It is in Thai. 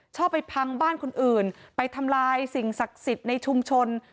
ชอบไปพังบ้านคนอื่นไปทำลายสิ่งศักดิ์สิทธิ์ในชุมชน